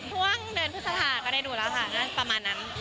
ช่วงเดือนพฤษภาก็ได้ดูแล้วค่ะประมาณนั้น